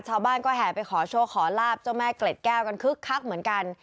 ชาวบ้านก็แห่ไปขอโชคขอลาบเจ้าแม่เกล็ดแก้วกันคึกคักเหมือนกัน